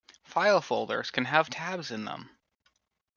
File folders can have tabs in them.